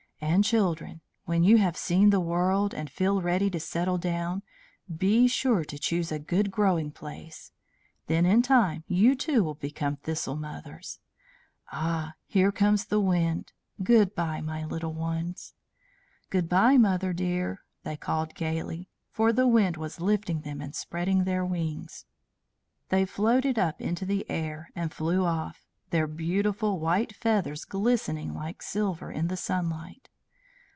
And, children, when you have seen the world, and feel ready to settle down, be sure to choose a good growing place. Then in time you too will become Thistle Mothers. Ah! here comes the wind. Good bye, my little ones." "Good bye, mother dear," they called gaily, for the wind was lifting them and spreading their wings. They floated up into the air, and flew off, their beautiful white feathers glistening like silver in the sunlight.